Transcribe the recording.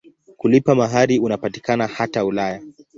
Kulipa mahari unapatikana hata Ulaya.